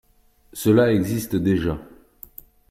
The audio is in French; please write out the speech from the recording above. Cela existe déjà